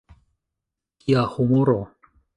Kia humoro!